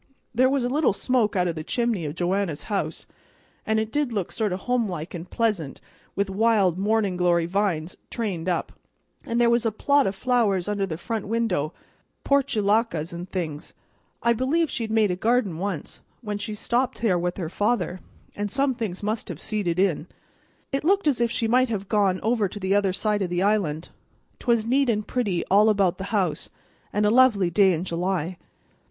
There was a little smoke out o' the chimney o' Joanna's house, and it did look sort of homelike and pleasant with wild mornin' glory vines trained up; an' there was a plot o' flowers under the front window, portulacas and things. I believe she'd made a garden once, when she was stopping there with her father, and some things must have seeded in. It looked as if she might have gone over to the other side of the island. 'Twas neat and pretty all about the house, and a lovely day in July.